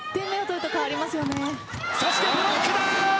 そしてブロックだ！